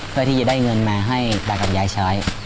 เพื่อที่จะได้เงินมาให้ตากับยายใช้